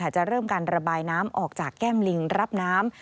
จะเริ่มการระบายน้ำออกจากแก้มลิงรับน้ำ